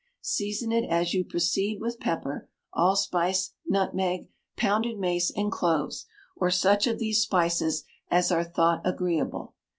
Season it as you proceed with pepper, allspice, nutmeg, pounded mace, and cloves, or such of these spices as are thought agreeable.